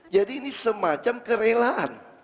jadi ini semacam kerelaan